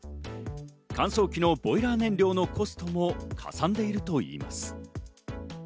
乾燥機のボイラー燃料のコストもかさんでいるといいます。